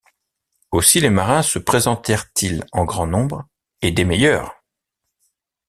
Aussi les marins se présentèrent-ils en grand nombre, et des meilleurs.